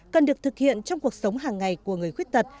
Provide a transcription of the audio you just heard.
cần được thực hiện trong cuộc sống hàng ngày của người khuyết tật